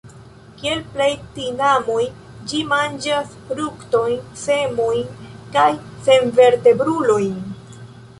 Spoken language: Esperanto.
Kiel plej tinamoj ĝi manĝas fruktojn, semojn kaj senvertebrulojn.